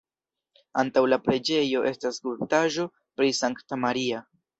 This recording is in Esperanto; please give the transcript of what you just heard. Antaŭ la preĝejo estas skulptaĵo pri Sankta Maria.